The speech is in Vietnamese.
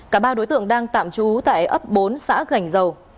cả ba đối tượng đang tạm trú tại ấp bốn xã gành dầu